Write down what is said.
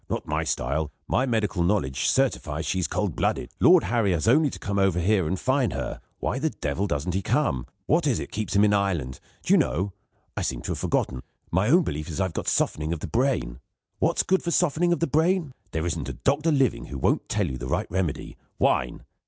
Not my style; my medical knowledge certifies she's cold blooded. Lord Harry has only to come over here and find her. Why the devil doesn't he come? What is it keeps him in Ireland? Do you know? I seem to have forgotten. My own belief is I've got softening of the brain. What's good for softening of the brain? There isn't a doctor living who won't tell you the right remedy wine.